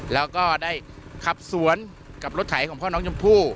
แล้วก็ได้ขับสวนกับรถไถของพ่อน้องชมพู่